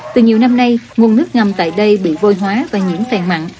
từ nhiều năm nay nguồn nước ngầm tại đây bị vôi hóa và nhiễm phèn mặn